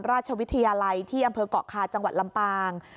ราชวิทยาลัยที่อำเภอกเกาะคาจังหวัดลำปาง